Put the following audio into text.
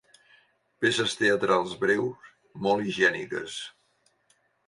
Peces teatrals breus molt higièniques.